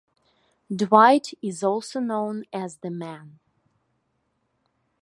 Dwight is also known as "The Man".